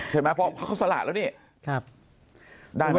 ใช่มั้ยเขาสละเรานี่